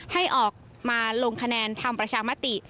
ให้ออกมาลงคะแนนทำประชามติ